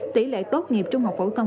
tỷ lệ tốt nghiệp trung học phổ thông